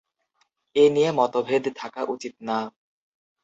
এ নিয়ে মতভেদ থাকা উচিত না!